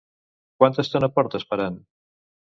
Quanta estona porta esperant?